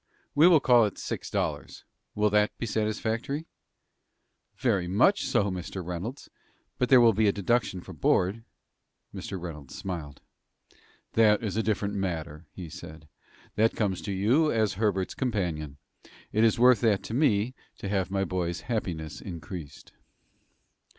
"We will call it six dollars. Will that be satisfactory?" "Very much so, Mr. Reynolds; but there will be a deduction for board." Mr. Reynolds smiled. "That is a different matter," he said. "That comes to you as Herbert's companion. It is worth that to me to have my boy's happiness increased."